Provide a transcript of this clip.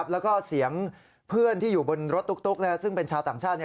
แล้วก็เสียงเพื่อนที่อยู่บนรถตุ๊กซึ่งเป็นชาวต่างชาติ